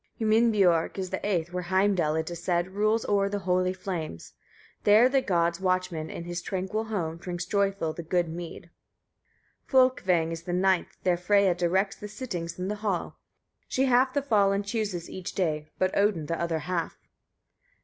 13. Himinbiörg is the eighth, where Heimdall, it is said, rules o'er the holy fanes: there the gods' watchman, in his tranquil home, drinks joyful the good mead. 14. Fôlkvang is the ninth, there Freyia directs the sittings in the hall. She half the fallen chooses each day, but Odin th' other half.